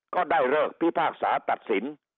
ก็ได้เลิกพิพากษาตัดสิน